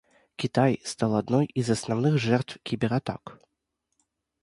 Китай стал одной из основных жертв кибератак.